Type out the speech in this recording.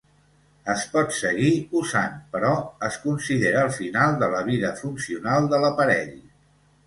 Es pot seguir usant però es considera el final de la vida funcional de l'aparell.